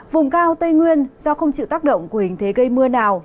vùng cao tây nguyên do không chịu tác động của hình thế gây mưa nào